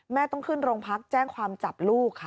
ต้องขึ้นโรงพักแจ้งความจับลูกค่ะ